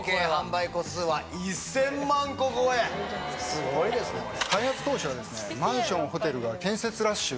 すごいですねこれ。